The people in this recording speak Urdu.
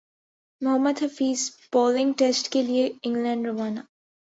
محمد حفیظ بالنگ ٹیسٹ کیلئے انگلینڈ روانہ